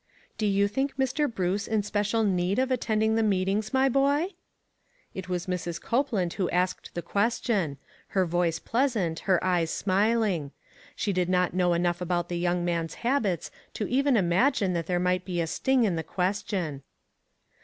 *' Do } ou think Mr. Bruce in special need of attending the meetings, my boy?" OVERDOING. 447 It was Mrs. Copeland who asked the ques tion ; her voice pleasant, her eyes smiling ; she did not know enough about the young man's habits to even imagine that there might be a sting in the question.